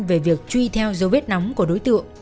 về việc truy theo dấu vết nóng của đối tượng